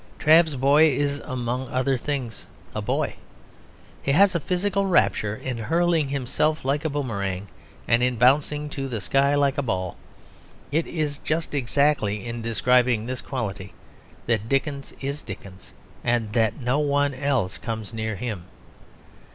Trabb's boy is among other things a boy; he has a physical rapture in hurling himself like a boomerang and in bouncing to the sky like a ball. It is just exactly in describing this quality that Dickens is Dickens and that no one else comes near him.